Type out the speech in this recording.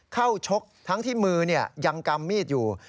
ชกทั้งที่มือยังกำมีดอยู่